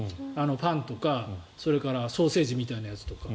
パンとか、それからソーセージみたいなやつとか。